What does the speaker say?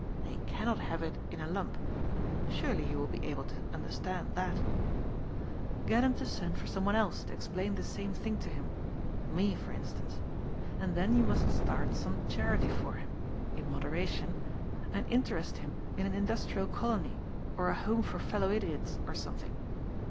They cannot have it in a lump. Surely he will be able to understand that Get him to send for someone else to explain the same thing to him — me, for in stance. And then you must start some charity for him — in moderation — ^and interest him in an industrial colony, or a home for fellow idiots or something.